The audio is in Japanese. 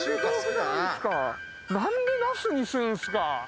何でナスにするんすか？